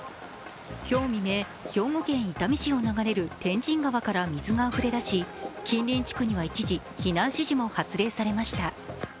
今日未明、兵庫県伊丹市を流れる天神川から水があふれ出し近隣地区には一時避難指示も発令されました。